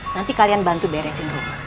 nanti kalian bantu beresin rumah